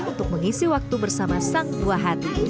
untuk mengisi waktu bersama sang buah hati